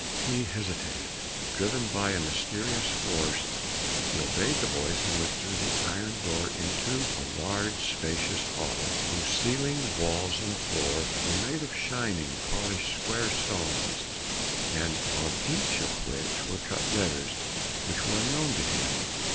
He hesitated, but driven by a mysterious force, he obeyed the voice and went through the iron door into a large spacious hall, whose ceiling, walls and floor were made of shining polished square stones, on each of which were cut letters which were unknown to him.